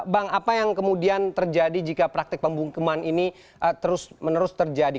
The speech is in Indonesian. bang apa yang kemudian terjadi jika praktek pembungkeman ini terus menerus terjadi